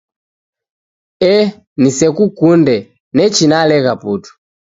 Eh nisekunde, nechi nalegha putu!